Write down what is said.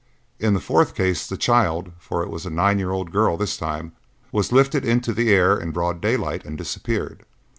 In the fourth case the child, for it was a nine year old girl this time, was lifted into the air in broad daylight and disappeared.